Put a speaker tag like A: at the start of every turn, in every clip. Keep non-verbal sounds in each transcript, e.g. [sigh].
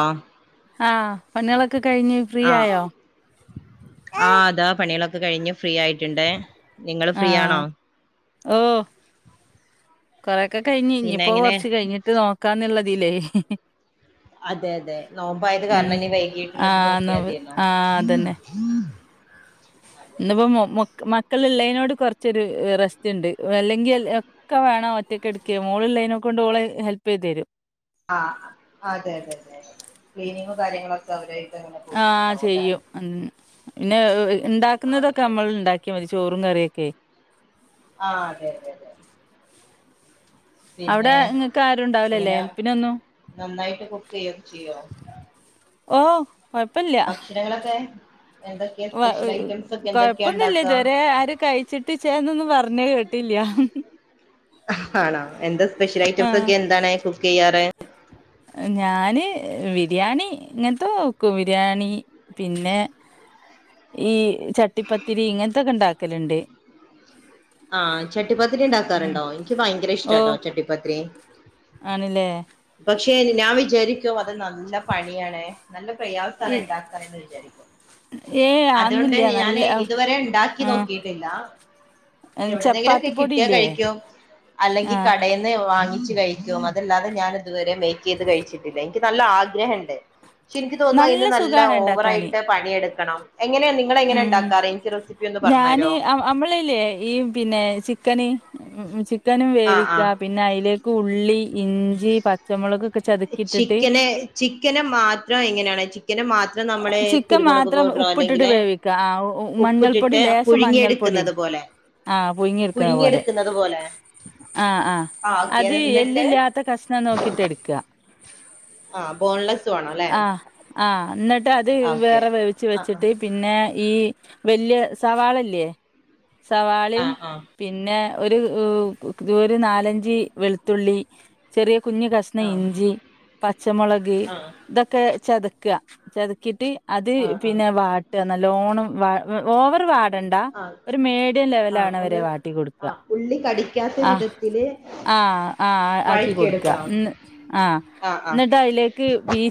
A: ആഹ്.
B: ആഹ് പണികളൊക്കെ കയ്ഞ്ഞ്
A: ആ ആ താ പണികളൊക്കെ കഴിഞ്ഞു ഫ്രീ ആയിട്ണ്ടേ നിങ്ങൾ ഫ്രീ ആണോ?
B: ആഹ് ഓ കൊറെക്കെ കയ്ഞ്ഞി
A: പിന്നെ
B: ഇനിപ്പോ
A: എങ്ങനെ
B: കൊർച്ച് കയ്ഞ്ഞി ട്ട് നോക്കാന്ന്ള്ളതിലേ.
A: അതെ അതെ നോമ്പയത് കാരണം ഇനി വൈകിട്ട്ള്ളത്
B: ആഹ് എന്നാ
A: നോക്ക്യാത്യല്ലോ.
B: ആഹ് ഇന്ന്പ്പോ മൊ മ മക്കള്‌ള്ളേനോട് കൊർച്ചൊരു റെസ്റ്റ്ണ്ട് അല്ലെങ്കിൽ ക്കെ വേണം ഒറ്റെക്ക്ട്ക്കെ മോള്‌ള്ളെനെകൊണ്ട് ഓള് ഹെൽപ്പെയ്തെരും.
A: ആ അതെതെതെ ക്ലീനിങ്ങും കാര്യങ്ങളൊക്കെ അവര്
B: ആ ചെയ്യും പിന്നെ ഇണ്ടാക്ക്ന്നതൊക്കെ
A: ഓക്കെ
B: നമ്മൾ ഇണ്ടാ ക്യാ മതി ചോറും കറിയൊക്കെ.
A: ആ തെ തെ തെ.
B: അവിടെ
A: പിന്നെ
B: ഇങ്ങക്ക് ആരും ഇണ്ടാവ് ലല്ലേ
A: എങ്ങനെ
B: എൽപ്പിനൊന്നും.
A: നന്നായിട്ട് കുക്ക് ചെയ്യൊക്കെ ചെയ്യോ
B: ഓ കൊയ്
A: ഭക്ഷണങ്ങളൊക്കെ എന്തൊക്കെയാ സ്പെഷ്യൽ ഐറ്റംസ്? ഒക്കെ എന്തൊക്കെയാ
B: കൊഴ്പ്പൊന്നില്ല
A: ഉണ്ടാക്കാ
B: ഇത്‌വരെ ആര് കഴിച്ചിട്ട് ചേ ന്നൊന്നും പർഞ്ഞേ കേട്ടില്ല.
A: ആണോ എന്താ സ്പെഷ്യൽ ഐറ്റംസ്
B: ആഹ്
A: ഒക്കെ എന്താണ് കുക്കെ യ്യാറ്?
B: ഞാന് വിര്യാണി ഇങ്ങൻത്തെക്കും ബിരിയാണി പിന്നെ ഈ ചട്ടിപ്പത്തിരി ഇങ്ങൻത്തൊക്കെ ഇണ്ടാക്കല്ണ്ട്.
A: ആ ചട്ടിപ്പത്രി
B: ഉം
A: ഇണ്ടാക്കാറ്ണ്ടോ എനിക്ക് ഭയങ്കര ഇഷ്ടട്ടോ ചട്ടിപ്പത്രി.
B: ആണ്ലേ.
A: പക്ഷെ ഞാൻ വിചാരിക്കും അത് നല്ല പണിയാണ്‌ നല്ല പ്രയാസാണ് ഇണ്ടാക്കാനെന്ന് വിചാരിക്കും.
B: ഏ
A: അതോണ്ട്
B: അന്നില്ല നല്ല
A: ഞാന് ഇതുവരെ ഇണ്ടാക്കി
B: ആഹ്
A: നോക്കിട്ടില്ല. എവ്ടെന്നെങ്കിലൊക്കെ
B: ചപ്പാത്തിപ്പൊടി
A: കിട്ട്യാ
B: ഇല്ലേ
A: കഴ്ക്കും അല്ലെങ്കി
B: ആഹ്
A: കടേന്ന് ന്ന്‌ വാങ്ങിച്ച് കഴിക്കും അതല്ലാതെ ഞാന് ഇത്‌വരെ മേക്കെയ്ത് കഴിച്ചിട്ടില്ല എനിക്ക് നല്ല ആഗ്രഹണ്ട്. ക്ഷെ ഇൻക്ക് തോന്നുന്നു അയ്ന് നല്ല
B: സുഖാണ് ഇണ്ടാക്കാന്
A: ഓവറായ്ട്ട് പണിയെട്ക്കണം എങ്ങനെയ നിങ്ങളെ എങ്ങനെ ഇണ്ടാക്കാറ് എനിക്ക് റെസിപ്പിയൊന്ന് പർഞ്ഞെരോ?
B: അമ്മള്ല്ലേ ഈ പിന്നെ ചിക്കന് ചിക്കനും
A: ആഹ്
B: വേവിക്ക
A: ആഹ്
B: പി ന്നെ അയ്ലേക്ക് ഉള്ളി ഇഞ്ചി പച്ചമുളക് ചതുക്കിയിട്ടിട്ട്
A: ചിക്കനെ ചിക്കനെ മാത്രം എങ്ങനെയാണേച്ചി ചിക്കനെ മാത്രം നമ്മള്
B: ചിക്കൻ
A: കുരുമുളക്
B: മാത്രം
A: പൗഡറോ
B: ഉപ്പിട്ടിട്ട്
A: അല്ലെങ്കില്
B: വേവിക്ക ആ മഞ്ഞൾപ്പൊടി
A: ഉപ്പ്ട്‌ട്ട്
B: ലേശം മഞ്ഞൾപ്പൊടിയും
A: പുഴുങ്ങിയെടുക്ക്ന്നതും പോലെ
B: ആ
A: പുഴുങ്ങിയെട്ക്ക്ന്നത് പോലെ.
B: ആഹ് ആഹ്
A: ആ ഓക്കെ
B: അത്
A: എന്നിട്ട്
B: എല്ലല്ലാത്ത കഷ്ണം നോക്കിട്ട് എടുക്ക
A: ആ ബോൺലെസ് വേണം അല്ലെ
B: ആഹ് ആഹ് എന്നിട്ട് അത്
A: ഓക്കെ
B: വേറെ വേവിച്ച
A: ആ
B: വെച്ചിട്ട് പിന്നെ ഈ വല്ല്യ യ സവാളല്ലേ
A: ആ
B: സവാളീം
A: ആ ആ
B: പിന്നെ ഒരു ഒരു നാലഞ്ച് വെളുത്തുള്ളി ചെറിയ കുഞ് കഷ
A: ആ
B: ഇഞ്ചി പച്ചമുളക് ഇതൊക്കെ ചതക്ക ചതക്കിട്ട് അത്
A: ആ ആ
B: പിന്നെ വാട്ട് നല്ലോണം ഓവർ വാട്ട ണ്ട
A: ആ
B: ഒരു മീഡിയം
A: ആ
B: ലെവലാണ്വരെ
A: ഒന്ന്
B: വാട്ടിയൊടുക്ക ആഹ്
A: ഇതില്
B: ആഹ് ആഹ് ആക്കി കൊടുക്ക കന്ന് ആഹ്
A: ആ ആ
B: എന്നിട്ട് അതിലേക്ക് ഈ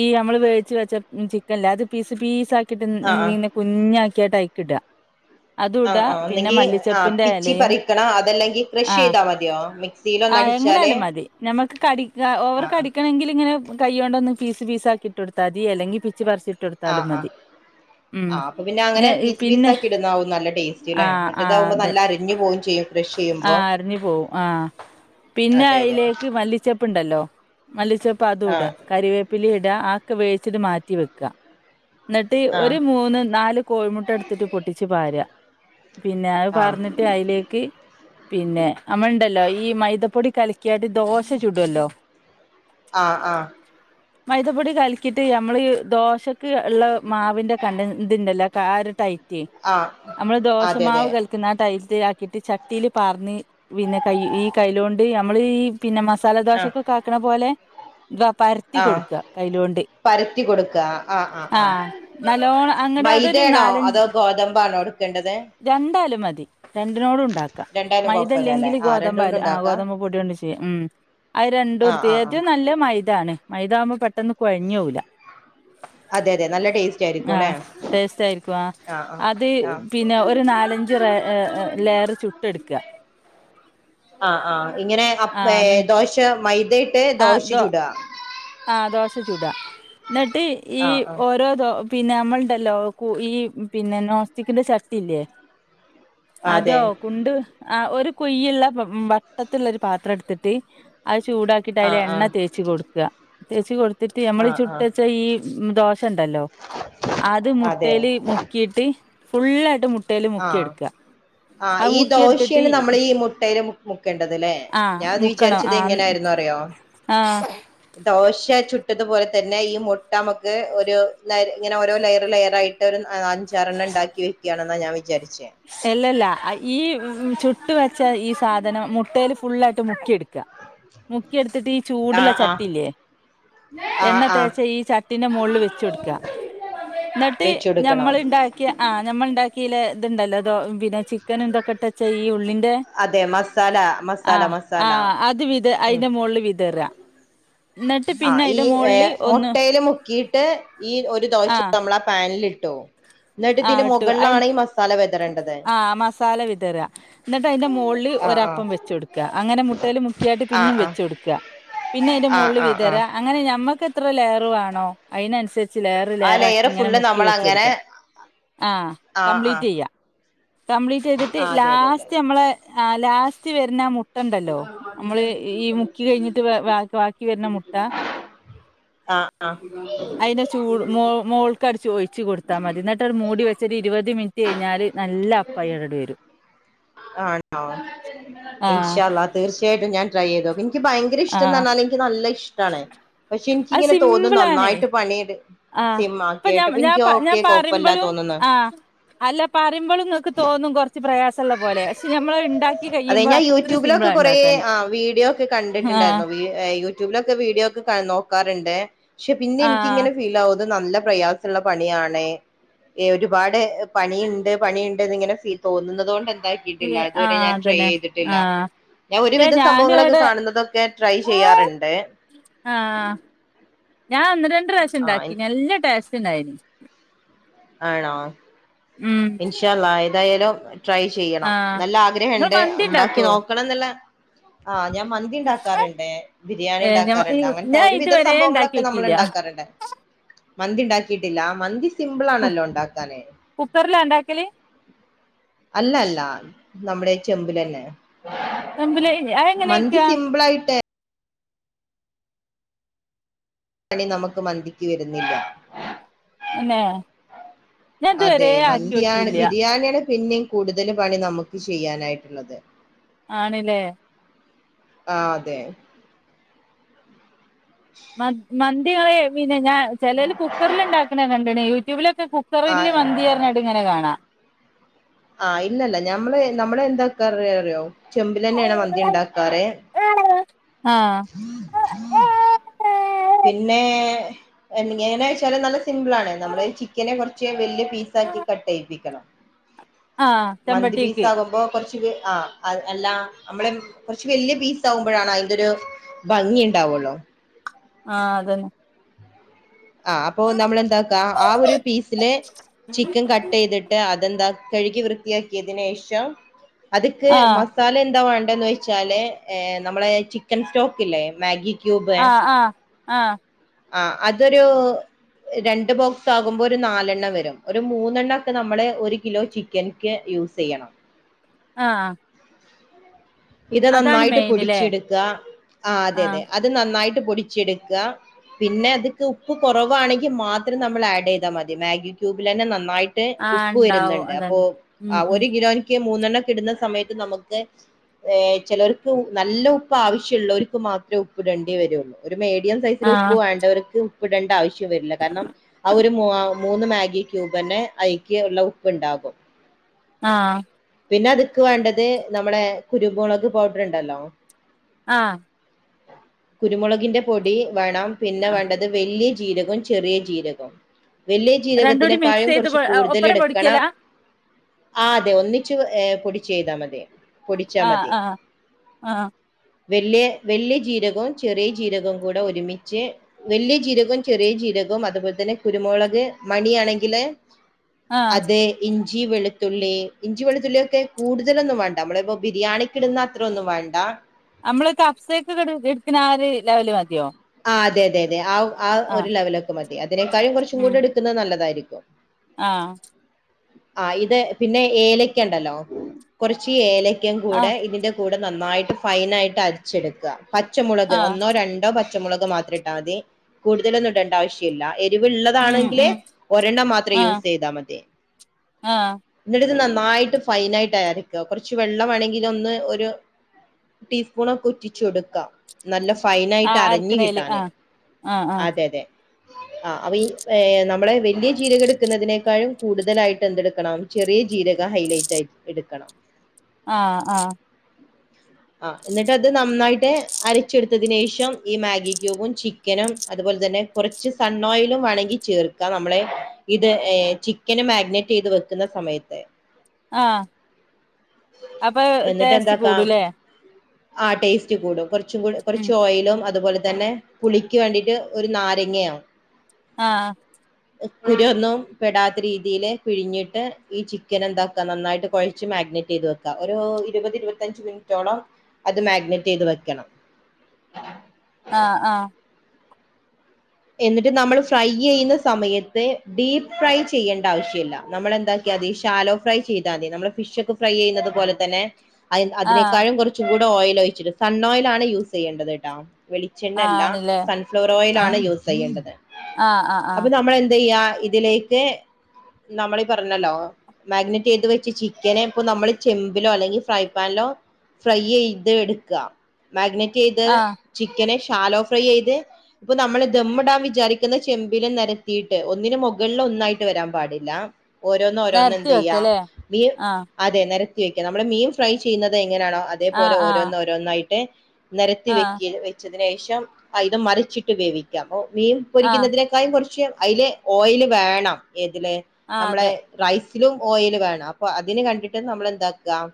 B: ഈ നമ്മള് വേച്ച് വെച്ച ചിക്കൻല്ല അത് പീസ് പീസ്
A: ആ ആ
B: ആക്കിയിട്ട് കുഞ്ഞാക്കിയിട്ട് അയിക്കിട
A: ആഹ ആഹ് അന്നെങ്കിൽ ആഹ് പിച്ചി
B: ഇലയും
A: പറിക്കണം അതല്ലെങ്കിൽ പ്രഷ്
B: ആഹ്
A: ചെയ്താൽ മതിയോ മിക്സ്
B: ആഹ് എങ്ങനെയാലും മതി നമക്ക് കടിക്ക ഓവർ
A: ആഹ്
B: കടിക്കണെങ്കിൽ ഇങ്ങനെ കയ്യോണ്ടന്ന് പീസ് പീസ് ആക്കി ഇട്ട് കൊടുത്തൽ മതി അല്ലെങ്കിൽ പിച്ച് പറിച്ചിട്ട്
A: ആഹ്
B: കൊടുത്താലും
A: ആഹ്
B: മതി ഉം
A: ആഹ് അപ്പൊ പിന്നെ അങ്ങനെ പീസ്
B: പിന്നെ
A: പീസക്കി ഇടുന്നതാവും നല്ല ടേസ്റ്റില്ലെ
B: ആഹ് ആഹ്
A: മറ്റേതാവുമ്പോ
B: അതെ
A: നല്ല അരഞ്ഞു പോവേം ചെയ്യും ക്രഷ് ചെയ്യുമ്പോ
B: ആഹ് അരഞ്ഞു പോവും ആഹ് പിന്നെ
A: അതെ അതെ
B: അയ്ലേക്ക് മല്ലി ിച്ചപ്പുണ്ടല്ലോ മല്ലിച്ചപ്പ് അതും ഇട
A: ആഹ്
B: കറിവേപ്പിലി ഇട ആക്കെ വേവിച്ചിട്ട് മാറ്റി റ്റി വെക്ക ന്നട്ട് ഒരു
A: ആഹ്
B: മൂന്ന് നാല് കോഴിമുട്ട എടുത്തിട്ട് പൊട്ടിച്ചു പാര പിന്നെ അത്
A: ആഹ്
B: പറഞ്ഞിട്ട് അയ്ലേക്ക് പിന്നെ നമ്മളുണ്ടല്ലോ ഈ മൈദപ്പൊടി കലക്കിയാട്ട് ദോശ ചൂടുല്ലോ
A: ആഹ് ആഹ്
B: മൈദപ്പൊടി കലിക്കിട്ട് ഞമ്മള് ദോശക്ക് ഉള്ള മാവിൻന്റെ കണ്ട ഇതിന്റെല്ല ആരു ടൈറ്റ്
A: ആഹ്
B: നമ്മള്
A: അതെ അതെ
B: ദോഷമാവ് കൽ ുന്ന ടൈൽ ആക്കിയിട്ട് ചട്ടിയില് പാർന്ന് പിന്നെ കൈ ഈ കൈയിലോണ്ട് നമ്മള് ഈ പിന്നെ മസാല
A: ആഹ്
B: ദോശൊക്കെ കാക്കണ പോലെ പരത്തി
A: ആഹ്
B: കൊടുക്ക കൈയിലൊണ്ട്
A: പരത്തി കൊടുക്ക ആഹ് ആഹ് ആഹ് ആഹ്
B: നല്ലോണം അങ്ങട് അതൊരു
A: മൈദെണോ അതോ ഗോതമ്പാണോ എടുക്കേണ്ടത്
B: രണ്ടാലും മതി രണ്ടിനോട്ും ഉണ്ടാക്കാം
A: രണ്ടായാലും കുഴപ്പമില്ല അല്ലേ
B: മൈദല്ലെങ്കിൽ
A: ആഹ് രണ്ട് കൊണ്ടും
B: ഗോതമ്പയാലും ആ
A: ഉണ്ടാക്കാം
B: ഗോതമ്പ് പൊടിയൊണ്ട ഉം അത് രണ്ടു
A: ആഹ്
B: ഇടുത്തി
A: ആഹ് ആഹ്
B: ഏറ്റം നല്ല മൈതാണ് മൈദാവുമ്പോൾ പെട്ടന്ന് കുഴിഞ്ഞൂല
A: അതെ അതെ നല്ല ടേസ്റ്റ് ആയിരിക്കും അല്ലെ
B: ആഹ് ടേസ്റ്റ് ആയിരിക്കും ആഹ്
A: ആഹ്
B: അത്
A: ആഹ്
B: പിന്നെ ഒരു നാലഞ്ച് ലെയർ ചുട്ട് എടുക്ക
A: ആഹ് ആഹ് ഇങ്ങനെ അ ഏ ദോശ മൈദയിട്ട്
B: ആഹ്
A: ദോശ
B: ദോ
A: ചുട
B: ആഹ് ദോശ ചുടാ എന്നിട്ട് ഈ
A: ആഹ് ആഹ്
B: ഓരോ ദോശ പിന്നെ നമ്മളുണ്ടല്ലോ ഈ പിന്നെ നോസ്റ്റിക്കിന്റെ ചട്ടില്ലേ അതൊ
A: അതെ
B: കൊണ്ട് ആഹ് ഒരു കൊയ്യുള്ള വട്ടത്തുള്ള ഒരു പാത്രം എടുത്തിട്ട് അത് ചൂടാക്കി അതിൽ
A: ആഹ്
B: എണ്ണ
A: ആഹ്
B: തേച്ച കൊടുക്ക തേച് കൊടുത്തിട്ട് നമ്മള
A: ആഹ് ആഹ്
B: ചുട്ടുവെച്ച ഈ ദോശ അത്
A: അതെ
B: മുട്ടൽ മുക്കിയിട്ട് ഫുൾ ആയിട്ട്
A: ആഹ് ആഹ് ഈ
B: മുക്കിയെടുത്തിട്ട്
A: ദോശയാണ് നമ്മൾ ഈ മുട്ടയുടെ മുക്കേണ്ടത്ലേ
B: ആഹ്
A: ഞാൻ അത്
B: മുക്കണം
A: വിചാരിച്ചത്
B: ആഹ്
A: എങ്ങനൊയിരുന്നു അറിയോ
B: ആഹ്
A: ദോശ ചുട്ടതുപോലെ തന്നെ ഈ മുട്ട നമുക്ക് ഒരു ഇങ്ങനെ ഓരോ ലെയർ ലെയർ ആയിട്ട് അഞ്ചെറണ്ണം ഉണ്ടാക്ക വെക്കയാണെന്ന ഞാൻ വിചാരിച്ചേ
B: അല്ലല്ല ഈ ചുട്ട് വെച്ച ഈ സാധനം മുട്ടൽ ഫുുള്ളായിട്ട് മുക്കിയെടുക്കും മുക്കിയെടുത്തിട്ട് ഈ ചൂടുള്ള
A: ആഹ് ആഹ്
B: ചട്ടിയില്ലേ
A: ആഹ്
B: എണ്ണ
A: ആഹ്
B: തേച്ച ഈ ചട്ടീൻ്റെ മോളിൽ വെച്ചടുക്ക ന്നട്ട് ഞമ്മൾ
A: വെച്ചൊടുക്കണം
B: ഇണ്ടാക്കിയ ആഹ് നമ്മൾ ഉണ്ടാക്കില ഇത് ഇണ്ടല്ലോ അതോന്നെ ചിക്കനും ന്തൊക്കെ ഇട്ടച്ചെ ഈ ഉള്ളിന്റെ
A: അതെ മസ്
B: ആഹ് ആഹ് അത്
A: ഉം
B: അതിന്റെ മോളിൽ വിതറ എന്നിട്ട്
A: ആഹ്
B: പിന്നെ
A: ഈ
B: അതിന്റെ
A: എ
B: മുകളിൽ ഒന്ന്
A: മുട്ടയില് മുക്കിട്ട് ഈ ഒരു ദോശ നമ്മളാ പാനിലിട്ടു
B: ആഹ് ഇട്ടു അയി
A: വെതറേണ്ടത്
B: ആഹ് മസാല വിതറ ന്ന്ട്ട് അയിന്റെ മൊളില്
A: ആ ആ
B: ഒരപ്പം വെ ച്ച് ട്ക്കാ അങ്ങനെ മുട്ടെല് മുക്കിയിട്ട്
A: ആ
B: പിനിം
A: ആ
B: വെച്ച് ട്ക്കാ പിന്നെ അയിന്റെ
A: ആ
B: മോളില്
A: ആ
B: വി
A: ആ
B: ത്തരാ അങ്ങനെ നമ്മക്ക് എത്ര ലേറുവാണോ അയിനനുസരിച്ച് ലേറ്
A: ആ
B: ലേറാക്കി
A: ലെയർ
B: ഇങ്ങനെ
A: ഫുള്ള്
B: മുക്കി
A: നമ്മൾ
B: വെച്ച
A: അങ്ങനെ
B: കൊട്ക്കാ ആഹ്
A: ആ ആ
B: കംപ്ലീറ്റ് ചെയ്യ കംപ്ലീറ്റ് ചെയ്തിട്ട്
A: ആ അതെ അതെ അതെ
B: ലാസ്റ്റ് നമ്മളെ ലാസ്റ്റ് വർന്ന മു മുട്ട ണ്ടല്ലോ നമ്മള് ഈ മുക്കി കഴിഞ്ഞിട്ട് ഭ ഭാ ബാക്കി വർണ മുട്ട
A: ആഹ് ആഹ്
B: അയിന്റെ ചൂട് മോ മോൾക്കടിച്ച് ഒഴിച്ച് കൊടുത്താ മതി ന്ന്ട്ട് മൂടി വെച്ച് ര് ഇരുവത് മിൻ ട്ട് കഴിഞ്ഞാല് നല്ല അപ്പായി ങ്ങട്ട് വരും
A: ആണോ
B: ആഹ്
A: ഇൻഷാ ള്ള തീർച്ചയായിട്ടും ഞാൻ ട്രൈ ചെയ്തുക്കും ഇൻക്ക് ഭയങ്കര ഇഷ്ടംന്ന്
B: ആഹ്
A: പറഞ്ഞാൽ എനിക്ക് നല്ല ഇഷ്ടാണ് പക്ഷെ
B: അത്
A: ഇൻക്കിങ്ങനെ തോന്നും
B: സിമ്പിളാണ്
A: നന്നായിട്ട് പണിട്
B: ആഹ്
A: സിം
B: ഇപ്പൊ ഞാൻ
A: ആക്കിയട്ടപ്പ
B: ഞാൻ
A: എനിക്ക്
B: ഞാൻ
A: ഓക്കെ കൊഴപ്പല്ല
B: പറയുമ്പളും
A: തോന്ന്ന്ന്
B: ആഹ് അല്ല പറിമ്പോളും ഇങ്ങക്ക് തോന്നും കുറച്ച് പ്രയാസള്ള പോലെ പക്ഷെ നമ്മൾ ഇണ്ട
A: അതെ ഞാൻ യൂട്യൂബിലൊക്കെ കൊറെ ആഹ് വീഡിയോ ഒക്കെ
B: ആഹ്
A: കണ്ടിട്ട്ണ്ടായിരുന്നു യൂട്യൂബിലൊക്കെ വീഡിയോ ഒക്കെ നോക്കാറ്ണ്ട് പക്ഷെ പിന്നെ
B: ആഹ്
A: എനിക്കിങ്ങനെ ഫീൽ ആവ നല്ല പ്രയാസള്ള പണിയാണേ ഏ ഒരുപാട് പണിയ്ണ്ട് പണിയ്ണ്ട് ഇന്ന് ഇങ്ങനെ തോന്നുന്നത് കൊണ്ട് എന്താ ക്കിയിട്ടില്ല അതുവരെ
B: ആഹ്
A: ഞാൻ ട്രൈ
B: അതന്നെ
A: ചെയ്തിട്ടില്ല
B: ആഹ്
A: ഞാൻ
B: പക്ഷെ
A: ഒരുവിധ
B: ഞാനും
A: സംഭവങ്ങളൊക്കെ
B: ഇവിടെ
A: കാണുന്നതൊക്കെ ട്രൈ ചെയ്യാറ്ണ്ട്
B: ആഹ് ഞാൻ ഒന്ന് രണ്ട് പ്രാവശ്യം
A: ആ
B: ഉണ്ടാക്കി
A: എൻ-
B: നല്ല ടേസ്റ്റ് ഉണ്ടായിനി
A: ആണോ
B: ഉം
A: ഇൻഷാ അള്ളാ ഏതായാലും ട്രൈ ചെയ്യണം
B: ആഹ്
A: നല്ല ആഗ്രഹം
B: ഇങ്ങള്
A: ഉണ്ട്
B: മന്തി
A: ഉണ്ടാക്കി
B: ഇണ്ടാക്കോ
A: നോ ക്കണം ന്ന്ളെ ആഹ് ഞാം മ ഇണ്ടാക്കാറ്ണ്ട് ബിരിയാണി
B: ഏഹ് ഞ
A: ഇണ്ടാക്കാറ്ണ്ട് അങ്ങനത്തെ
B: ഞാൻ
A: ഒരുവിധ
B: ഇതുവരെ ഉണ്ടാക്കി
A: സംഭവങ്ങളൊക്കെ നമ്മൾ
B: നോക്കിയില്ല
A: ഇണ്ടാക്കാറ്ണ്ട്
B: [inaudible]
A: മന്തി ഇണ്ടാക്കിട്ടില്ല മന്തി സിബ്ള് ആണല്ലോ ഇണ്ടാക്കാന്
B: കുക്കറില ഇണ്ടാക്കല്ല്
A: അല്ല അല്ല നമ്മടെ ചെമ്പില്ലന്നെ
B: വെമ്പില്
A: മന്തി
B: അതെങ്ങനെയൊക്കെയാ
A: സിമ്പിളായി പണി നമക്ക് മന്തിക്ക് വരുന്നില്ല
B: അന്നെ ഞാൻ
A: അതെ
B: ഇതുവരെ ആക്കി
A: മന്തിയാണ്
B: നോക്കിയില്ല
A: ബിരിയാണിയാണ് പിനിം കൂടുതലും പണി നമുക്ക് ചെയ്യാനായിട്ട്
B: ആണില്ലേ
A: ആഹ് തെ
B: മ മന്തി ങ്ങള് പിന്നെ ഞാ ച്ചെലോല് കുക്കറില് ഇണ്ടാക്ക്ണെ കണ്ട്ണ് യൂട്യൂബിലൊക്കെ കു
A: ആഹ്
B: ക്കറില് മന്തി ഞ്ഞ്ട്ട് ങ്ങനെ കാണാ
A: ആഹ് ഇല്ലല്ല ഞമ്മള് നമ്മള എന്താക്കാറ റിയോ ചെമ്പിലെന്നെയാണ് മന്തി ണ്ടാക്കാറ്
B: ആഹ്
A: പിന്നെ എങ്ങനാ വെച്ചാല് നല്ല സിമ്പിളാണ് നമ്മള് ചിക്കനെ കുറച്ച് വല്ല്യ പീസ ആക്കി കട്ട്യിപ്പിക്കണം
B: ആഹ്
A: മന്തി പീസ്
B: ചെമ്പട്ടിക്ക്
A: ആകുമ്പോ കുറച്ച് ആഹ് അ അല്ല നമ്മളെ കുറച്ച് വല്യയ പീസ് ആകുമ്പഴാണ് അയിന്റെരു ഭംഗി ഇണ്ടാവൊള്ളു
B: ആഹ് അതന്നെ
A: ആഹ് അപ്പൊ നമ്മൾ എന്താക്ക ആഹ് ഒരു പീസിലെ ചിക്കൻ കട്ട്യ്ത് അതെന്താ കഴുകി വൃത്തിയാക്കിയതിനേഷം അത്ക്ക്
B: ആഹ്
A: മസാല എന്താ വേണ്ടന്ന് വെച്ചാല് നമ്മളെ ചിക്കൻ സ്റ്റോക്ക് ഇല്ലേ മാഗി ക്യൂബ്
B: ആഹ് ആഹ് ആഹ്
A: ആ അതൊരു രണ്ട് ബോക്സ് ആകുമ്പോ ഒരു നാലെണ്ണം വരും ഒരു മൂന്നെണ്ണ ഒക്കെ നമ്മള് ഒരു കിലോ ചി- കനിക്ക് യൂസെയ്യണം.
B: ആഹ
A: ഇത് നന്നായിട്ട്
B: മെയിന്ല്ലേ
A: പൊടിച്ചെടുക്ക ആ
B: ആഹ്
A: അതെതെ അത് നന്നായിട്ട് പൊടിച്ചെടുക്ക. പിന്നെ അതക്ക് ഉപ്പ് കുറവാണെങ്കിൽ മാത്രം നമ്മൾ ആഡ് ചെയ്താൽ മതി മാഗി ക്യൂബിലെന്നെ നന്നായി ട്ട്
B: ആഹ്
A: ഉപ്പ്
B: ഉണ്ടാവും
A: വരുന്നുണ്ട് അപ്പോ
B: അതന്നെ ഉം
A: ആ
B: ഉം
A: ഒരു കിലോനിക്ക് മൂന്നെണ്ണം കി ഇടുന്ന സമയത്ത് നമുക്ക് ഏ ചെലർക്ക് നല്ല ഉപ്പ് ആവശ്യമുള്ളർക്ക് മാത്രമേ ഉപ്പി ടേണ്ടേ വരുള്ളൂ. ഒരു മേഡിയം സൈസില് ഉപ്പ്
B: ആഹ്
A: വേണ്ടവർക്ക് ഉപ്പ് ഇടേണ്ട ആവശ്യം വരില്ല കാരണം അ ഒരു മൂന്ന് മാഗി ക്യൂബന്നെ അയ്ക്ക് ഉള്ള ഉപ്പ്ണ്ടാകും.
B: ആഹ
A: പിന്നെ അതുക്ക് വേണ്ടത് നമ്മുടെ കുരു മുളക് പൗഡർണ്ടല്ലോ
B: ആഹ
A: കുരുമുളകിന്റെ പൊടി വേണം പിന്നെ വേണ്ടത് വലിയ ജീരകും ചെറിയ ജീരകം വലിയ
B: രണ്ടൂടി മിക്സ്
A: ജീരകത്തിനെക്കാളും
B: ചെയ്ത്
A: കുറച്ച് കൂടുതൽ
B: ഒപ്പരം
A: എടുക്കണം.
B: പൊടിക്കലാ
A: ആ അതെ ഒന്നിച്ച് ഏ പൊടിചെയ്താ മതി. പൊടിച്ചാ
B: ആഹ്
A: മതി.
B: ആഹ് ആഹ്
A: വല്യ വല്യ ജീരകും ചെറിയ ജീരകും കൂടെ ഒരുമിച്ച് വല്യ ജീരകും ചെറിയ ജീരകും അതുപോലെ തന്നെ കുരുമുളക് മണിയാണെങ്കില്
B: ആഹ്
A: അതെ ഇഞ്ചി വെളുത്തുള്ളി ഇഞ്ചി വെത്തുള്ളിയൊക്കെ കൂടുതലൊന്നും വേണ്ട നമ്മളിപ്പോ ബിരിയാണിക്ക് ഇടുന്ന അത്ര ഒന്നും വേണ്ട
B: നമ്മള് കഫ്സൊക്കെ എടുക്കുന്ന ആ ഒരു ലെവല് മതിയോ?
A: ആ അതെ അതെ അതെ ആ ആ ഒരു
B: ആഹ്
A: ലെവലൊക്കെ മതി അതിനേക്കാളും കുറച്ചും കൂടി എടുക്കുന്നത് നല്ലതായിരിക്കും.
B: ആഹ
A: ആ ഇത് പിന്നെ ഏലക്കണ്ടല്ലോ കുറച്ച് ഏലക്കയും കൂടെ
B: ആഹ്
A: ഇതിന്റെ കൂടെ നന്നായിട്ട് ഫൈന ആയിട്ട് അരിച്ചെടുക്ക പച്ചമുളക്
B: ആഹ്
A: ഒന്നോ ര- പച്ചമുളക് മാത്രട്ടാ മതി കൂടുതലൊന്നുടണ്ട ആവശ്യല്ല. എരിവ്
B: ഉം
A: ള്ളതാണെങ്കിൽ
B: ഉം
A: ഒരെണ്ണം മാത്രം യൂസ്യ്താ മതി.
B: ആഹ
A: ഇന്നട്ട് നന്നായിട്ട് ഫൈൻ ആയിട്ട് ആരിക്ക കുറച്ച് വെള്ളംവേണെങ്കില ഒന്ന് ഒരു ടീസ്പൂൺ ഒക്കെ ഒറ്റിച്ച് എടുക്കാം നല്ല ഫൈനായിട്ട്
B: ആഹ്
A: അരഞ്ഞു
B: അരക്കണേല്
A: കിട്ടാന്
B: ആഹ് ആഹ് ആഹ്
A: അതെ തെ ആ അപ്പൊ ഈ നമ്മളെ വലിയ ചീരക എടുക്കുന്നതിനേക്കാളും കൂടുതലായിട്ട് എന്തെടുക്കണം. ചെറിയ ജീരക ഹൈലൈറ്റ് ആയി എടുക്കണം.
B: ആഹ ആഹ
A: ആ എന്നിട്ട് അത് നന്നായിട്ട് അരച്ചെടുത്തതിനനേഷം ഈ മാഗി ക്യൂബും ചി- ചിക്കനും അതുപോലെ തന്നെ കുറച്ച് സണ് ഓയലും വേണങ്കിൽ ചേർക്കാം നമ്മളെ ഇത് ഏ ചിക്കൻ നെ മാഗ്നേറ്റ യ്ത് വെക്കുന്ന സമയത്ത്
B: ആഹ് അപ്പൊ
A: എന്നിട്ട്
B: ടേസ്റ്റ്
A: എന്താക്കാം
B: കൂടുലെ!
A: ആ ടേസ്റ്റ് കൂടും കുറച്ചും കൂടെ
B: ഉം
A: കുറച് ഓയിലും അതുപോലെ തന്നെ പുളിക്ക് വേണ്ടിയിട്ട് ഒരു നാരങ്ങയാ
B: ആഹ്
A: [unintelligible] പെടാത്ത രീതിയിൽ പിഴിഞ്ഞിട്ട് ഈ ചിക്കൻ എന്താക്കാ നന്നായിട്ട് കുഴച്ച് മാഗ്നേറ്റ് ചെയ്ത് വെക്കാ. ക്കാ ഒരു ഇരുപത് ഇരുപത്തഞ്ച് മിനിറ്റോളം അത് മാഗ്നേറ്റ് ചെയ്ത് വെക്കണം.
B: ആഹ് ആഹ്
A: എന്നിട്ട് നമ്മൾ ഫ്രൈ ചെയ്യുന്ന സമയത്ത് ഡീപ്പ് ഫ്രൈ ചെയ്യേണ്ട ആവശ്യല്ല നമ്മളെന്താ ക്കതി ശാലോ ഫ്രൈ ചെയ്താ തി നമ്മള് ഫിഷ് ഒക്കെ ഫ്രൈ ചെയ്യുന്നത് പോലെ തന്നെ. അ
B: ആഹ്
A: അതിനേക്കാളും കുറച്ചും കൂടെ ഓയിൽ ഒഴിച്ചിട്ട് സൺ ഓയിൽ ആണ് യൂസിയ്യേണ്ടത് ട്ടാ വെളിച്ചെണ്ണ ല്ല
B: ആണ്ല്ലേ
A: സൺഫ്ലവർ ഓയിലാണ്
B: ആഹ്
A: യൂസ് ചെയ്യേണ്ടത്
B: ആഹ് ആഹ്
A: അത്
B: ആഹ്
A: നമ്മളെ ന്ത് യ്യാ ഇതിലേക്ക് നമ്മളീ പറഞ്ഞല്ലോ മാഗ്നേറ്റ് ചെയ്ത് വെച്ച ചിക്കന് ഇപ്പ നമ്മള് ചെമ്പിലോ അല്ലെങ്കിൽ ഫ്രൈ പാനിലോ ഫ്രൈ ചെയ്ത് എടുക്കുക മാഗ്നേറ്റ് ചെയ്ത
B: ആഹ്
A: ചിക്കനെ ഷാലോ ഫ്രൈ ചെയ്ത് പ്പൊ നമ്മൾ ദമ്മിടാം വിചാരിക്കുന്ന ചെമ്പില് നെരത്തിയിട്ട് ഒന്നിനു മുകളിൽ ഒന്നായിട്ട് വരാൻ പാടില്ല ഓരോന്ന് ഓരോന്ന്
B: നേരത്തി
A: എന്ത് ചെയ്യാ
B: വെക്കല്ലേ
A: മീ
B: ആഹ്
A: അതെ നിരത്തി വെക്കാ നമ്മള് മീൻ ഫ്രൈ ചെയ്യുന്നത് എങ്ങനെയാണോ
B: ആഹ്
A: അതേപോലെ
B: ആഹ്
A: ഓരോന്നോരോന്നായിട്ട് നിരത്തി
B: ആഹ്
A: വെക്കി വെച്ചതിന് ശേഷം അയ്ന് മറിച്ചിട്ട് വേവിക്കാ പ്പൊ മീൻ
B: ആഹ്
A: പൊരിക്കുന്നതിനെക്കാ ക്കായിം കുറച്ച് അയില് ഓയില് വേണം ഏതില്
B: ആഹ്
A: നമ്മളെ
B: അതെ
A: റൈസിലും ഓയിൽ വേണം അപ്പൊ അതിന് കണ്ടിട്ട് നമ്മളെന്താക്കുക